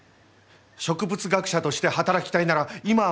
植物学者として働きたいなら今は満州がある！